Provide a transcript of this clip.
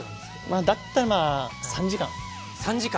まあだったら３時間。